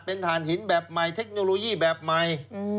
เป็นฐานหินแบบใหม่เทคโนโลยีแบบใหม่